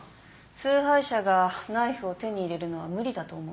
崇拝者がナイフを手に入れるのは無理だと思うけど。